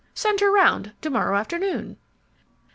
Send her round to morrow afternoon."